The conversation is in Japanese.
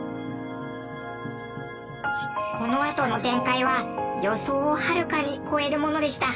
このあとの展開は予想をはるかに超えるものでした。